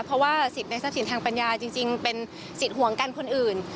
เพราะว่าสิทธิ์ในทรัพย์สินทางปัญญาจริงเป็นสิทธิ์ห่วงกันคนอื่น